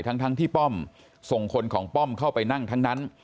ทั้งที่ป้อมส่งคนของป้อมเข้าไปนั่งทั้งนั้น